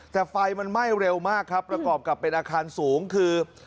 แต่ไฟมันไหม้เร็วมากครับประกอบกับเป็นอาคารสูงคือ